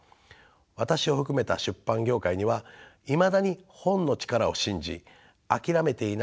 私を含めた出版業界にはいまだに本の力を信じ諦めていない人がたくさんいます。